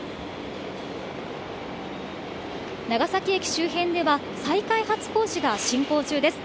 長崎駅周辺では、再開発工事が進行中です。